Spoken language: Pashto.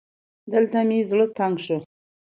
دلته مې زړه تنګ شو